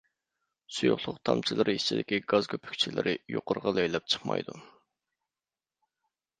سۇيۇقلۇق تامچىلىرى ئىچىدىكى گاز كۆپۈكچىلىرى يۇقىرىغا لەيلەپ چىقمايدۇ.